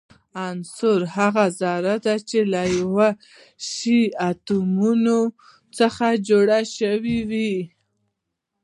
عنصر هغه ذره ده چي له يو شان اتومونو څخه جوړ سوی وي.